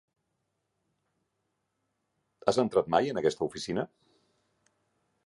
Has entrat mai en aquesta oficina?